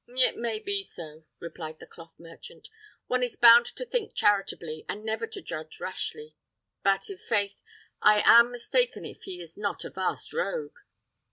"It may be so," replied the cloth merchant. "One is bound to think charitably, and never to judge rashly; but i'faith, I am mistaken if he is not a vast rogue.